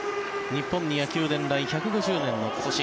日本に野球伝来１５０年の今年。